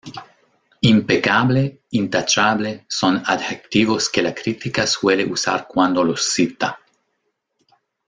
Impecable, intachable, son adjetivos que la crítica suele usar cuando los cita.